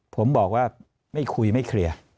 ผมบอกว่าไม่คุยไม่เคลียร์